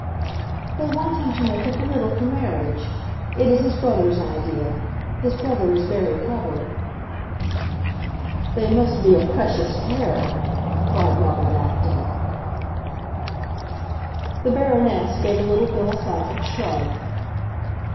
"They want him to make a political marriage. It is his brother's idea. His brother is very clever." "They must be a precious pair!" cried Robert Acton. The Baroness gave a little philosophic shrug.